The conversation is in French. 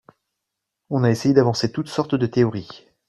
On a essayé d’avancer toutes sortes de théories.